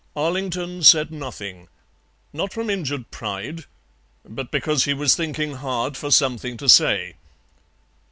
Arlington said nothing, not from injured pride, but because he was thinking hard for something to say.